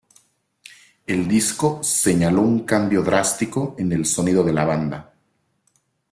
El disco señaló un cambio drástico en el sonido de la banda.